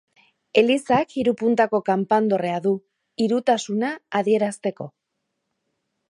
Elizak hiru puntako kanpandorrea du, Hirutasuna adierazteko.